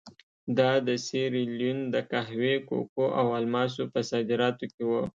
دا د سیریلیون د قهوې، کوکو او الماسو په صادراتو کې وو.